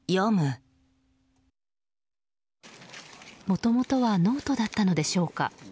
もともとはノートだったのでしょうか。